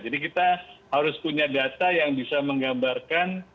jadi kita harus punya data yang bisa menggambarkan